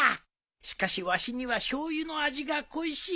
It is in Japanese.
しかしわしにはしょうゆの味が恋しいのう